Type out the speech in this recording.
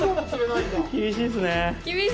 厳しいっすね。